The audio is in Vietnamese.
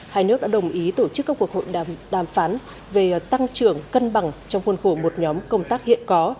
hai nước đã đồng ý tổ chức các cuộc hội đàm phán về tăng trưởng cân bằng trong khuôn khổ một nhóm công tác hiện có